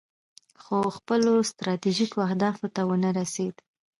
خو خپلو ستراتیژیکو اهدافو ته ونه رسید.